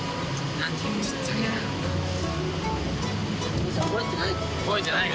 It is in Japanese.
父ちゃん覚えてないの？